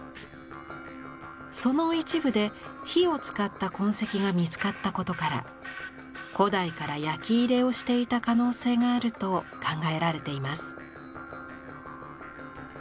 その一部で火を使った痕跡が見つかったことから古代から焼き入れをしていた可能性があると考えられています。